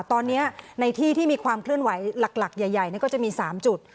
ตอนนี้ในที่ที่มีความเคลื่อนไหวหลักใหญ่ก็จะมี๓จุด